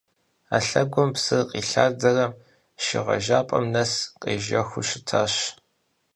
А лъэгум псыр къилъадэрэ шыгъэжапӏэм нэс къежэхыу щытащ.